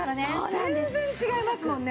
全然違いますもんね。